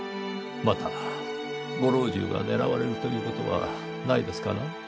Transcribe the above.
またご老中が狙われるという事はないですかな？